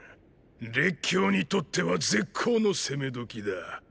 列強にとっては絶好の攻め時だ。